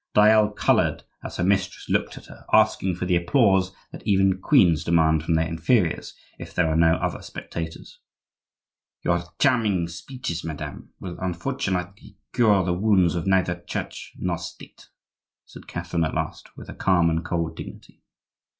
Dayelle colored as her mistress looked at her, asking for the applause that even queens demand from their inferiors if there are no other spectators. "Your charming speeches, madame, will unfortunately cure the wounds of neither Church nor State," said Catherine at last, with her calm and cold dignity.